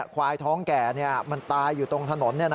ควายท้องแก่มันตายอยู่ตรงถนน